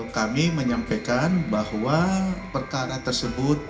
kami menyampaikan bahwa perkara tersebut